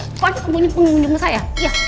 pokoknya kamu punya pengundung saya